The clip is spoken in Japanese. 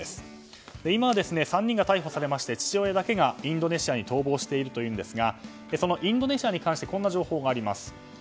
今は３人が逮捕されて父親だけがインドネシアに逃亡しているというんですがそのインドネシアに関してこんな情報があります。